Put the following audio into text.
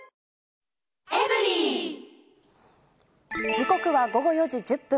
時刻は午後４時１０分。